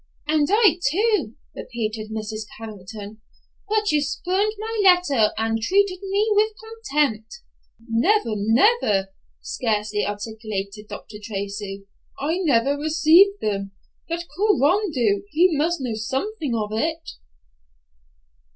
"And I, too," repeated Mrs. Carrington, "but you spurned my letter and treated me with contempt." "Never, never," scarcely articulated Dr. Lacey. "I never received them; but call Rondeau; he must know something of it."